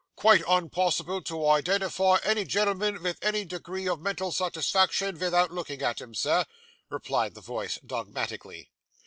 'Quite unpossible to identify any gen'l'm'n vith any degree o' mental satisfaction, vithout lookin' at him, Sir,' replied the voice dogmatically.